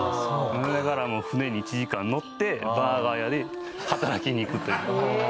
揺られながらも船に１時間乗ってバーガー屋で働きに行くという。